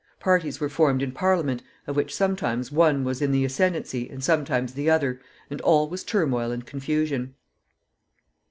Parties were formed in Parliament, of which sometimes one was in the ascendency and sometimes the other, and all was turmoil and confusion.